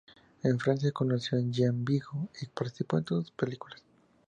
En Francia conoció a Jean Vigo, y participó en todas sus películas.